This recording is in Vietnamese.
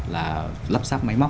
là lắp sáp